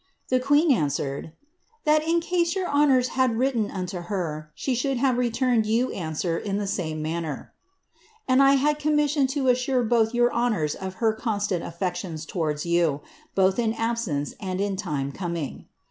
The queen answered, * That in case your honours had written unto her, she should have returned you answer in the same manner ;' and I had commission to assure both your honours of her constant affections towards you, both in absence and in time coming.